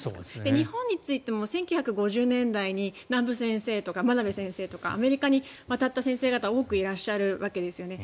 日本についても１９５０年代に南部先生とか真鍋先生とかアメリカに渡った先生が多くいらっしゃるわけですよね。